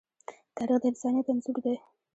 تاریخ د انسانیت انځور دی.